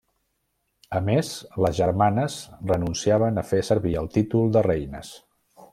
A més, les germanes renunciaven a fer servir el títol de reines.